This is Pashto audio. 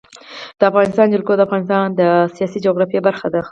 د افغانستان جلکو د افغانستان د سیاسي جغرافیه برخه ده.